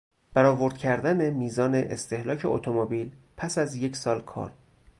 برآورد کردن میزان استهلاک اتومبیل پس از یک سال کار